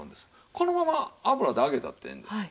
このまま油で揚げたってええんですよ。